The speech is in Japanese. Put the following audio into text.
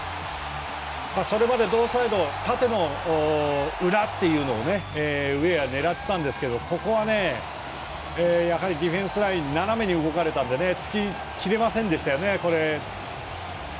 それまで、同サイド縦の裏っていうのをウェア狙っていたんですけどここはディフェンスライン斜めに動かれたんでつききれませんでしたね。